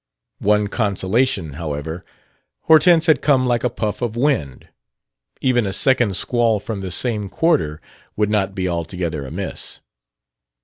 One consolation, however: Hortense had come like a puff of wind. Even a second squall from the same quarter would not be altogether amiss.